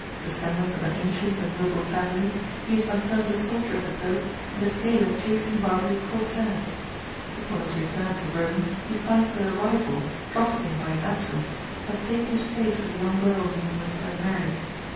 Descendant of an ancient and noble family, he is by turns a soldier of the Pope, and a sailor chasing Barbary corsairs. Upon his return to Rome he finds that a rival, profiting by his absence, has taken his place with a young girl whom he was to have married.